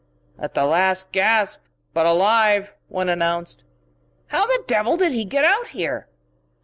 "At the last gasp, but alive," one announced. "How the devil did he get out here?"